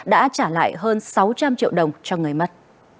đã trả lại hơn sáu trăm linh triệu đồng cho người mất